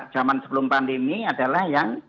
zaman sebelum pandemi adalah yang